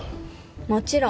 もちろん。